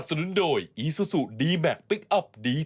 ใช่ค่ะ